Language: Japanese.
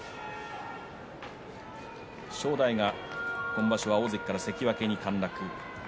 正代が今場所は大関から関脇に陥落。